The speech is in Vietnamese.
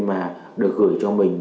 mà được gửi cho mình